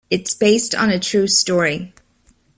It's based on a true story.